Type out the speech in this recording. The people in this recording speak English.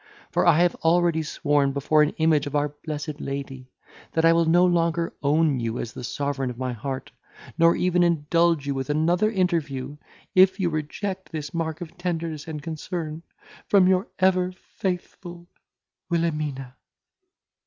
For I have already sworn before an image of our blessed Lady, that I will no longer own you as the sovereign of my heart, nor even indulge you with another interview, if you reject this mark of tenderness and concern from your ever faithful WILHELMINA."